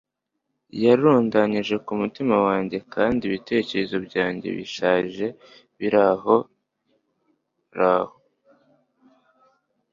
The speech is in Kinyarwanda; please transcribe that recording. Yarundanyije kumutima wanjye kandi ibitekerezo byanjye bishaje birahoraho